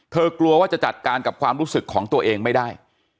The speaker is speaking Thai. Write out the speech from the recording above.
กลัวว่าจะจัดการกับความรู้สึกของตัวเองไม่ได้